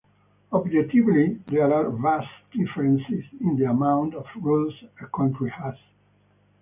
Objectively there are vast differences in the amount of rules a country has.